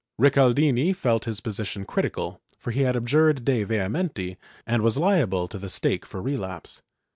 Rical dini felt his position critical, for he had abjured de vehemenii and was liable to the stake for relapse.